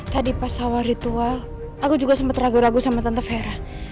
tadi pas awal ritual aku juga sempat ragu ragu sama tante vera